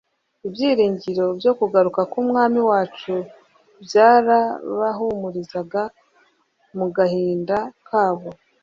Ibyiringiro byo kugaruka k'Umwami wacu, byarabahumurizaga mu gahinda kabo.